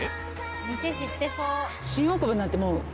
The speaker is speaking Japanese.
店知ってそう。